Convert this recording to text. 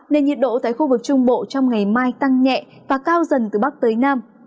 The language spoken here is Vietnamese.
nên nhiệt độ tại khu vực trung bộ trong ngày mai tăng nhẹ và cao dần từ bắc tới nam